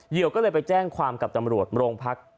เหยื่อก็เลยไปแจ้งความกับตำรวจโมรงพลักษณ์